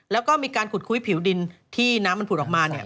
แล้วก็มีการขุดคุ้ยผิวดินที่น้ำมันผุดออกมาเนี่ย